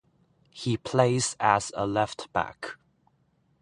He plays as a left back.